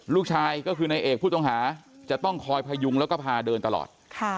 ลูกชายก็คือนายเอกผู้ต้องหาจะต้องคอยพยุงแล้วก็พาเดินตลอด